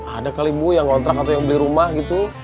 ada kali bu yang ngontrak atau yang beli rumah gitu